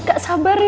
nggak sabar ya